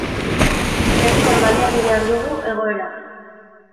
Derrigor baliatu behar dugu egoera.